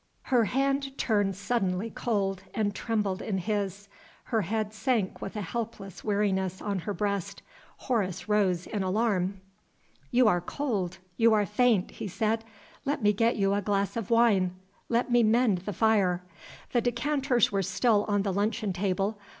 Her hand turned suddenly cold, and trembled in his. Her head sank with a helpless weariness on her breast. Horace rose in alarm. "You are cold you are faint," he said. "Let me get you a glass of wine! let me mend the fire!" The decanters were still on the luncheon table.